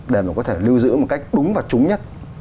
để mà có thể lưu giữ một cách đúng và trúng nhất